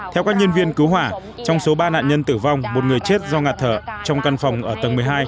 theo các nhân viên cứu hỏa trong số ba nạn nhân tử vong một người chết do ngạt thở trong căn phòng ở tầng một mươi hai